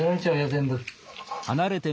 全部。